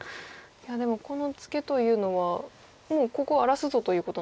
いやでもこのツケというのはもうここを荒らすぞということなんですか？